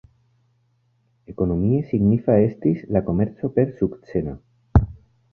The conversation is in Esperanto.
Ekonomie signifa estis la komerco per sukceno.